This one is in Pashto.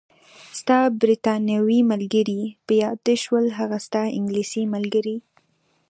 ستا بریتانوي ملګرې، په یاد دې شول؟ هغه ستا انګلیسۍ ملګرې.